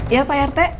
ya pak rt